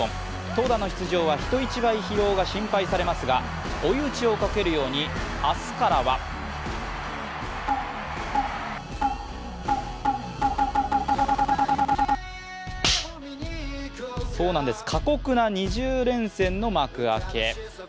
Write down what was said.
投打の出場は人一倍疲労が心配されますが追い打ちをかけるように明日からはそうなんです、過酷な２０連戦の幕開け。